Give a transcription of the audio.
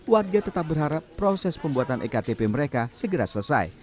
warga tetap berharap proses pembuatan ektp mereka segera selesai